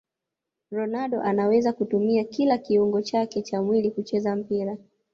ronaldo anaweza kutumia kila kiungo chake cha mwili kucheza mpira